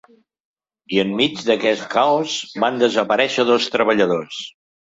I en mig d’aquest caos, van desaparèixer dos treballadors.